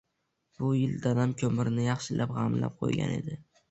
Bu yil dadam ko‘mirni yaxshilab g‘amlab qo‘ygan edi.